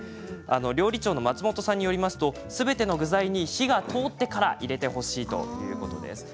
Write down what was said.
料理長の松本さんによりますとすべての具材に火が通ってから入れてほしいということです。